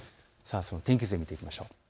天気図で見ていきましょう。